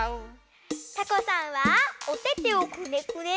タコさんはおててをくねくね。